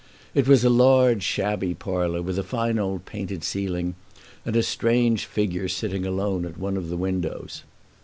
It was a large shabby parlor, with a fine old painted ceiling and a strange figure sitting alone at one of the windows.